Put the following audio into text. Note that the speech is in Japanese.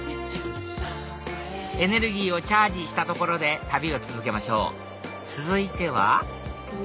エネルギーをチャージしたところで旅を続けましょう続いては？